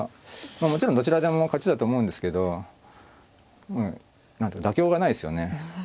もちろんどちらでも勝ちだと思うんですけど何ていうか妥協がないですよね